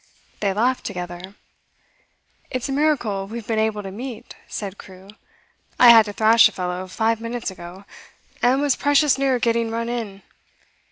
They laughed together. 'It's a miracle we've been able to meet,' said Crewe. 'I had to thrash a fellow five minutes ago, and was precious near getting run in.